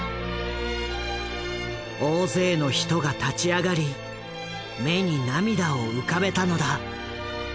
大勢の人が立ち上がり目に涙を浮かべたのだ。